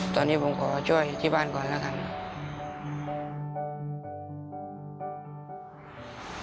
ตอนนี้ผมขอจ้อยที่บ้านก่อนนะครับ